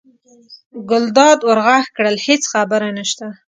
ګلداد ور غږ کړل: هېڅ خبره نشته.